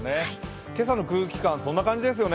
今朝の空気感、そんな感じですよね？